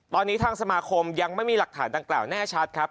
ตอนนี้ทางสมาคมยังไม่มีหลักฐานดังกล่าวแน่ชัดครับ